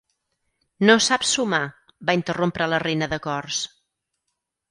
"No sap sumar" va interrompre la Reina de Cors.